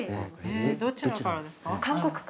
どちらからですか？